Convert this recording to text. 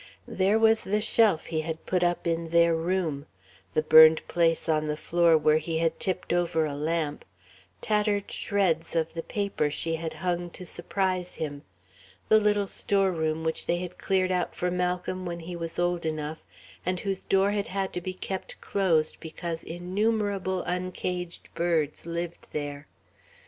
There was the shelf he had put up in their room, the burned place on the floor where he had tipped over a lamp, tattered shreds of the paper she had hung to surprise him, the little storeroom which they had cleared out for Malcolm when he was old enough, and whose door had had to be kept closed because innumerable uncaged birds lived there....